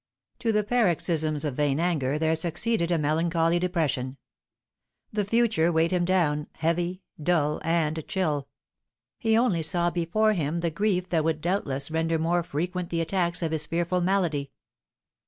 To the paroxysms of vain anger there succeeded a melancholy depression. The future weighed him down, heavy, dull, and chill. He only saw before him the grief that would doubtless render more frequent the attacks of his fearful malady.